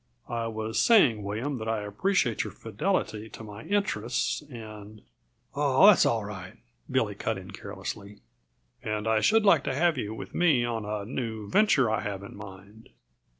"I was saying, William, that I appreciate your fidelity to my interests, and " "Oh, that's all right," Billy cut in carelessly. " And I should like to have you with me on a new venture I have in mind.